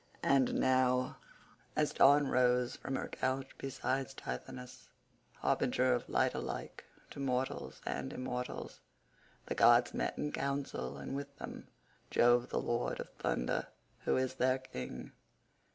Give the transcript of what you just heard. And now, as Dawn rose from her couch beside Tithonus—harbinger of light alike to mortals and immortals—the gods met in council and with them, Jove the lord of thunder, who is their king.